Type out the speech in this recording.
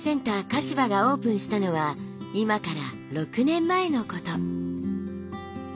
香芝がオープンしたのは今から６年前のこと。